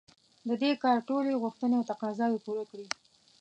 د دې کار ټولې غوښتنې او تقاضاوې پوره کړي.